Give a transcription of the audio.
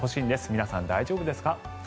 皆さん、大丈夫ですか？